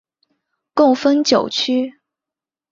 共分九区。